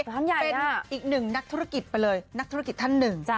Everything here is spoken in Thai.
เป็นอีกหนึ่งนักธุรกิจไปเลยนักธุรกิจท่านหนึ่ง